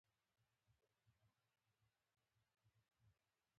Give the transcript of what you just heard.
احمد په حقه و، ځکه یې له کلیوالو داوه و ګټله.